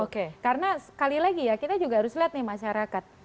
karena sekali lagi ya kita juga harus lihat nih masyarakat